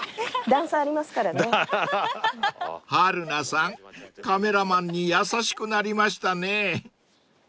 ［春菜さんカメラマンに優しくなりましたね］